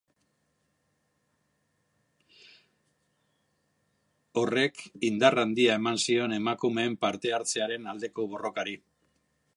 Horrek indar handia eman zion emakumeen parte hartzearen aldeko borrokari.